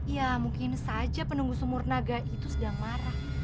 ya mungkin saja penunggu sumur naga itu sedang marah